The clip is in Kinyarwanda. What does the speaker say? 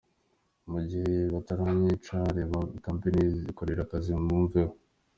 Mu gihe bataranyica reka mbe nikorera akazi mumveho.”